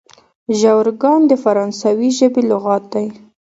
ژورګان د فرانسوي ژبي لغات دئ.